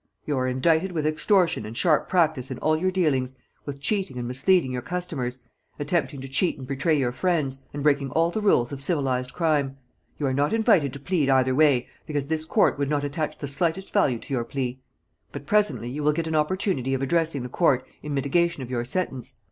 You are indicted with extortion and sharp practice in all your dealings, with cheating and misleading your customers, attempting to cheat and betray your friends, and breaking all the rules of civilised crime. You are not invited to plead either way, because this court would not attach the slightest value to your plea; but presently you will get an opportunity of addressing the court in mitigation of your sentence.